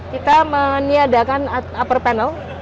kita meniadakan upper panel